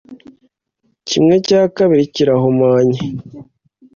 kimwe cya kabiri kirahumanye;